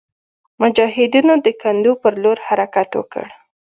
مجاهدینو د کنډو پر لور حرکت وکړ.